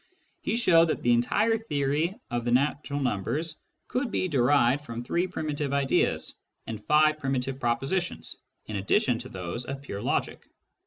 He showed that the entire theory of the natural numbers could be derived from three primitive ideas and five primitive propositions in addition to those of pure logic.